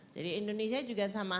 jadi indonesia juga sama